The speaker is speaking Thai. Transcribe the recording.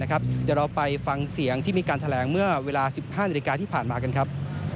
เดี๋ยวเราไปฟังเสียงที่มีการแถลงเมื่อเวลา๑๕นาฬิกาที่ผ่านมากันครับ